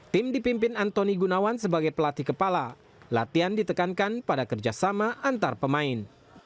tim dipimpin antoni gunawan sebagai pelatih kepala latihan ditekankan pada kerjasama antar pemain